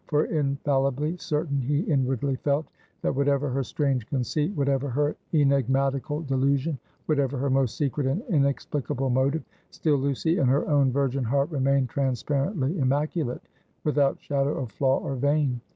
For infallibly certain he inwardly felt, that whatever her strange conceit; whatever her enigmatical delusion; whatever her most secret and inexplicable motive; still Lucy in her own virgin heart remained transparently immaculate, without shadow of flaw or vein.